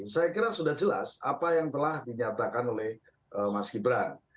saya kira sudah jelas apa yang telah dinyatakan oleh mas gibran